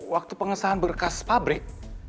waktu pengesahan berkas pabrik